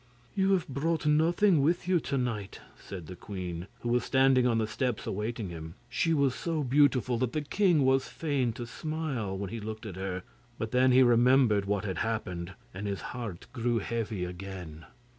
'You have brought nothing with you to night,' said the queen, who was standing on the steps awaiting him. She was so beautiful that the king was fain to smile when he looked at her, but then he remembered what had happened, and his heart grew heavy again.